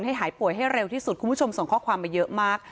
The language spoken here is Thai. หายป่วยให้เร็วที่สุดคุณผู้ชมส่งข้อความมาเยอะมาก